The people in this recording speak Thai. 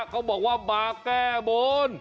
เขาบอกว่ามาแก้บน